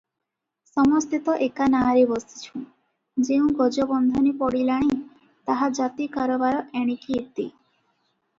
ସମସ୍ତେ ତ ଏକା ନାରେ ବସିଛୁଁ - ଯେଉଁ ଗଜବନ୍ଧନୀ ପଡ଼ିଲାଣି, ଜାହାଜାତି କାରବାର ଏଣିକି ଇତି ।